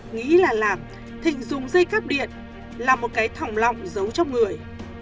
nghĩ là làm thịnh dùng dây cắp điện là một cái thỏng lọng giấu trong người